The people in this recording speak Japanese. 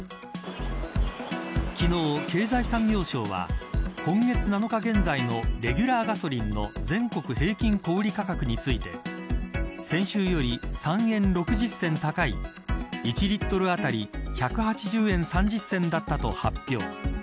昨日、経済産業省は今月７日現在のレギュラーガソリンの全国平均小売り価格について先週より３円６０銭高い１リットル当たり１８０円３０銭だったと発表。